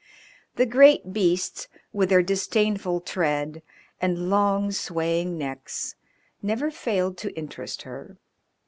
The great beasts, with their disdainful tread and long, swaying necks, never failed to interest her.